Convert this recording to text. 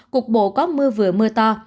cuộc bộ có mưa vừa mưa to